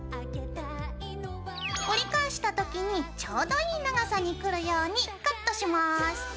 折り返した時にちょうどいい長さにくるようにカットします。